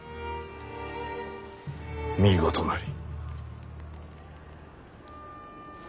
見事なり。